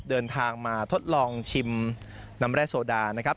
เดินทางมาทดลองชิมน้ำแร่โซดานะครับ